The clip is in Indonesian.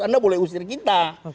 anda boleh usir kita